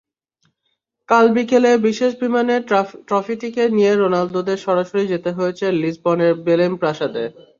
কাল বিকেলে বিশেষ বিমানে ট্রফিটিকে নিয়ে রোনালদোদের সরাসরি যেতে হয়েছে লিসবনের বেলেম প্রাসাদে।